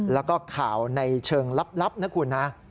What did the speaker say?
แล้วก็ข่าวในเชิงลับนะคุณนะ